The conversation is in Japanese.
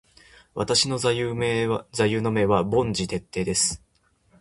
私の座右の銘は凡事徹底です。